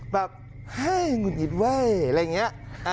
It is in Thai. แบบเฮ้ยหงุดหงิดเว้ยอะไรอย่างนี้